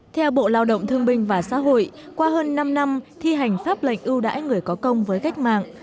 theo bộ lao động thương binh và xã hội qua hơn năm năm thi hành pháp lệnh ưu đãi người có công với cách mạng